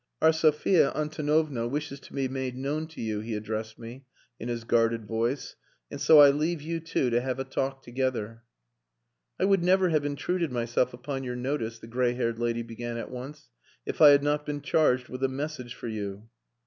"Our Sophia Antonovna wishes to be made known to you," he addressed me, in his guarded voice. "And so I leave you two to have a talk together." "I would never have intruded myself upon your notice," the grey haired lady began at once, "if I had not been charged with a message for you."